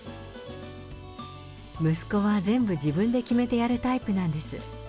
息子は全部自分で決めてやるタイプなんです。